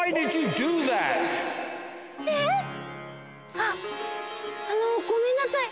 あっあのごめんなさい。